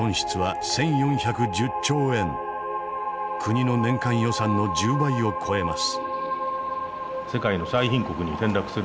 国の年間予算の１０倍を超えます。